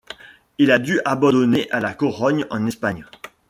Il a dû abandonner à La Corogne en Espagne.